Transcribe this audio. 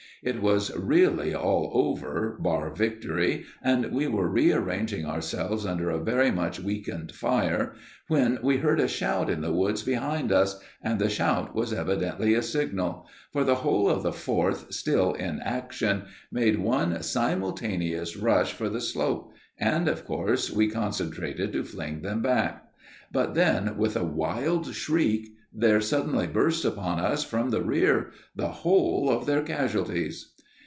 It was really all over, bar victory, and we were rearranging ourselves under a very much weakened fire, when we heard a shout in the woods behind us, and the shout was evidently a signal. For the whole of the Fourth still in action made one simultaneous rush for the slope, and of course we concentrated to fling them back. But then, with a wild shriek, there suddenly burst upon us from the rear the whole of their casualties!